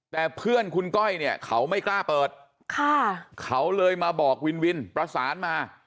แต่เพื่อนคุณก้อยเนี่ยเขาไม่กล้าเปิดค่ะเขาเลยมาบอกวินวินประสานมา